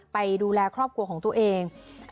ไปดูแลครอบครัวของตัวเอง